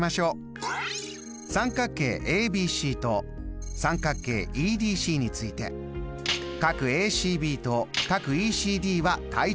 三角形ＡＢＣと三角形ＥＤＣについてＡＣＢとＥＣＤは対頂角。